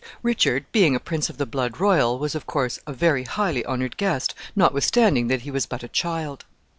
Richard, being a prince of the blood royal, was, of course, a very highly honored guest, notwithstanding that he was but a child.